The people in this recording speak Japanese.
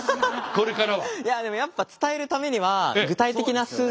これからは。